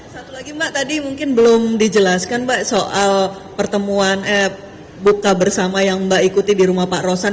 satu lagi mbak tadi mungkin belum dijelaskan mbak soal pertemuan eh buka bersama yang mbak ikuti di rumah pak rosan